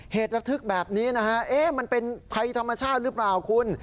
เหตุระทึกแบบนี้นะฮะมันเป็นภัยธรรมชาติหรือเปล่าคุณ